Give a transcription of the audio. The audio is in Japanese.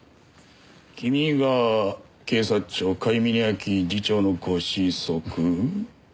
君が警察庁甲斐峯秋次長のご子息？